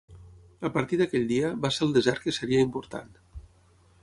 A partir d'aquell dia, va ser el desert que seria important.